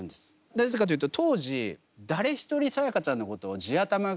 なぜかというと当時うん。